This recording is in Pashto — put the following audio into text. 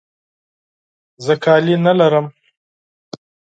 زه کالي نه لرم.